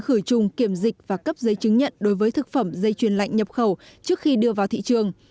khử trùng kiểm dịch và cấp giấy chứng nhận đối với thực phẩm dây chuyền lạnh nhập khẩu trước khi đưa vào thị trường